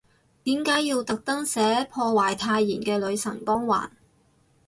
點解要特登寫，破壞太妍嘅女神光環